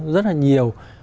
rất là nhiều